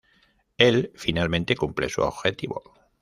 Él, finalmente, cumple su objetivo.